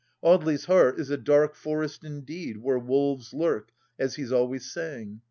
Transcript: Audely's heart is a dark forest, indeed, where wolves lurk, as he is always saying.